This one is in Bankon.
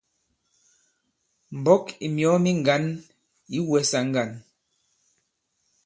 M̀mbɔ̌k ì myɔ̀ɔ mi ŋgǎn ǐ wɛsa ŋgân.